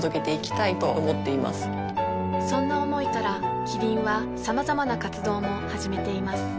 そんな思いからキリンはさまざまな活動も始めています